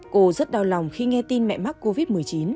cô rất đau lòng khi nghe tin mẹ mắc covid một mươi chín